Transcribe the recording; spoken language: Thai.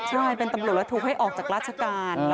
ใช่เป็นตำรวจแล้วถูกให้ออกจากราชการ